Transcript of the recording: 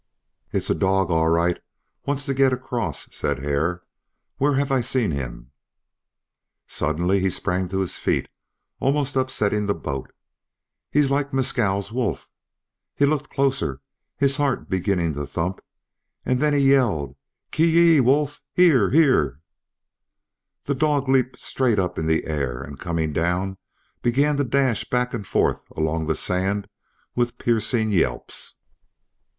"It's a dog all right; wants to get across," said Hare. "Where have I seen him?" Suddenly he sprang to his feet, almost upsetting the boat. "He's like Mescal's Wolf!" He looked closer, his heart beginning to thump, and then he yelled: "Ki yi! Wolf! Hyer! Hyer!" The dog leaped straight up in the air, and coming down, began to dash back and forth along the sand with piercing yelps.